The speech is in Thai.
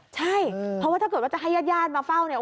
ใช่เพราะว่าถ้าเกิดว่าจะให้ญาติย่านมาเฝ้า